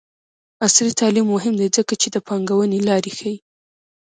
عصري تعلیم مهم دی ځکه چې د پانګونې لارې ښيي.